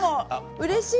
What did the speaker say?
うれしい。